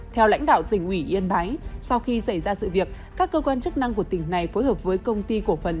theo lãnh đạo tỉnh ubnd sau khi xảy ra sự việc các cơ quan chức năng của tỉnh này phối hợp với công ty cổ phần